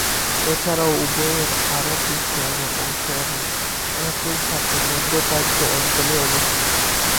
এছাড়াও উভয়েই আরব বিশ্ব এর অংশ এবং একই সাথে মধ্যপ্রাচ্য অঞ্চলেই অবস্থিত।